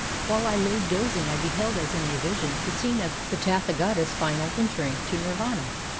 While I lay dozing I beheld as in a vision the scene of the Tath^ gata's final entering into nirvana.